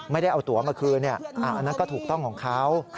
ไม่ได้เอาตัวมาคืนอันนั้นก็ถูกต้องของเขา